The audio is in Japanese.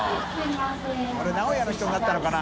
名古屋の人になったのかな。